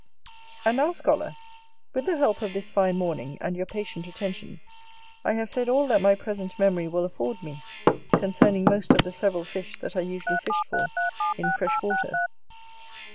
And now, scholar, with the help of this fine morning, and your patient attention, I have said all that my present memory will afford me, concerning most of the several fish that are usually fished for in fresh waters.